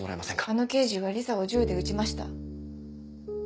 あの刑事はリサを銃で撃ちました。